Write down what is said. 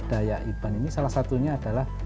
daya iban ini salah satunya adalah